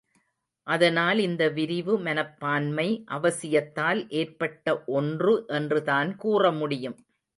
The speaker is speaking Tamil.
அதனால் இந்த விரிவு மனப்பான்மை அவசியத்தால் ஏற்பட்ட ஒன்று என்றுதான் கூறமுடியும்.